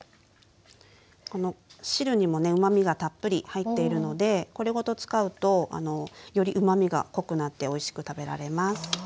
この汁にもねうまみがたっぷり入っているのでこれごと使うとよりうまみが濃くなっておいしく食べられます。